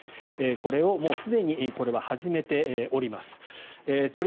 これをもうすでに始めております。